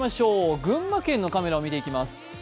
群馬県のカメラを見ていきます。